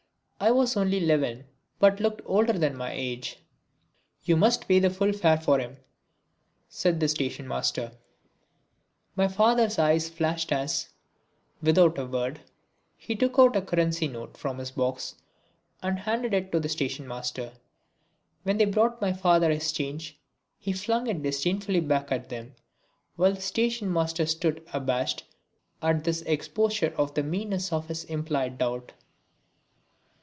I was then only eleven, but looked older than my age. "You must pay the full fare for him," said the station master. My father's eyes flashed as, without a word, he took out a currency note from his box and handed it to the station master. When they brought my father his change he flung it disdainfully back at them, while the station master stood abashed at this exposure of the meanness of his implied doubt.